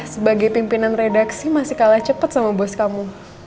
sebagai pimpinan redaksi masih kalah cepat sama bos kamu